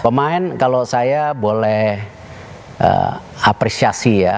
pemain kalau saya boleh apresiasi ya